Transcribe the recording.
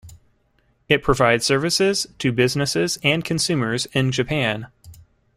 It provides services to businesses and consumers in Japan.